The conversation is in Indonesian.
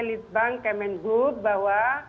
lidbang kemen group bahwa